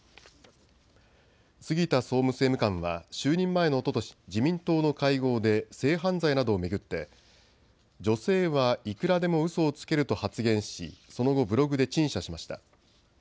杉田総務政務官は就任前のおととし、自民党の会合で性犯罪などを巡って、女性はいくらでもうそをつけると発言しその後ブログで陳謝しました。